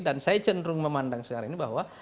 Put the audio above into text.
dan saya cenderung memandang sekarang ini bahwa